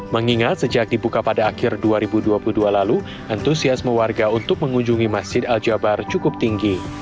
mengingat sejak dibuka pada akhir dua ribu dua puluh dua lalu antusiasme warga untuk mengunjungi masjid al jabar cukup tinggi